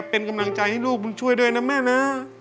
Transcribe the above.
เป็นกำลังใจให้ลูกบุญช่วยด้วยนะแม่นะ